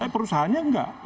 eh perusahaannya enggak